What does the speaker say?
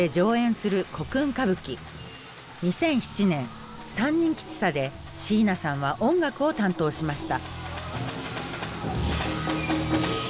２００７年「三人吉三」で椎名さんは音楽を担当しました。